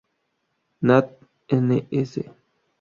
Nat., n.s.